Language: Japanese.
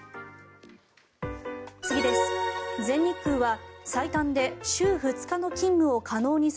次です。